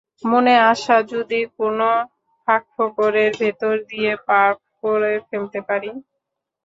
মনে আশা, যদি কোনো ফাঁকফোকরের ভেতর দিয়ে পার্ক করে ফেলতে পারি।